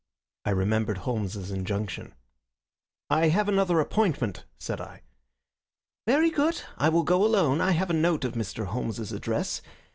I remembered Holmes's injunction. "I have another appointment," said I. "Very good. I will go alone. I have a note of Mr. Holmes's address.